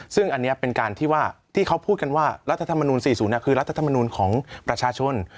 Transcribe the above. ซึ่งอันนี้เป็นการที่ว่าที่เขาพูดกันว่ารัฐธรรมนูล๔๐คือรัฐธรรมนูลของประชาชน